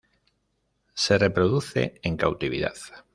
Se reproduce en cautividad.